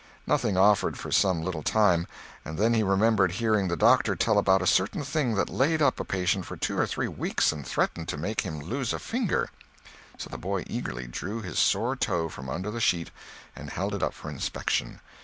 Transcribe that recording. Nothing offered for some little time, and then he remembered hearing the doctor tell about a certain thing that laid up a patient for two or three weeks and threatened to make him lose a finger. So the boy eagerly drew his sore toe from under the sheet and held it up for inspection.